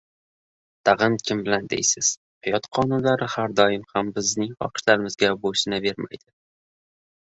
Tag‘in kim biladi deysiz, hayot qonunlari har doim ham bizning xohishimizga bo ‘ysunavermaydi...